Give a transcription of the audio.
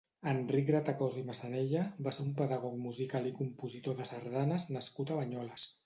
Enric Gratacòs i Massanella va ser un pedagog musical i compositor de sardanes nascut a Banyoles.